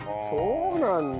そうなんだ。